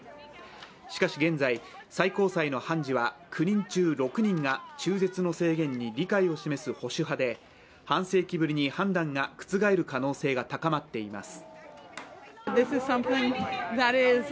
しかし現在、最高裁の判事は９人中６人が中絶の制限に理解を示す保守派で半世紀ぶりに判断が覆る可能性が高まっています。